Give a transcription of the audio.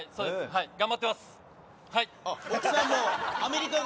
頑張ってます、はい。